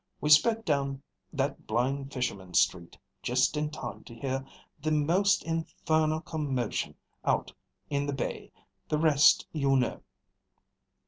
We sped down that Blind Fisherman Street just in time to hear the most infernal commotion out in the bay. The rest you know."